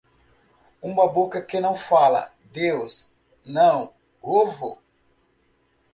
Uma boca que não fala, Deus não ovo.